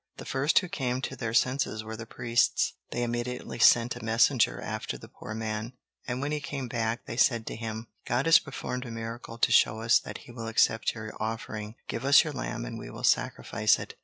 The first who came to their senses were the priests. They immediately sent a messenger after the poor man, and when he came back they said to him: "God has performed a miracle to show us that He will accept your offering. Give us your lamb and we will sacrifice it."